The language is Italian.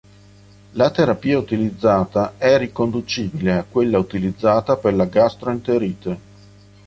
La terapia utilizzata è riconducibile a quella utilizzata per la gastroenterite.